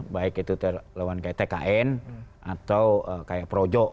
baik itu terlewat tkn atau kayak projo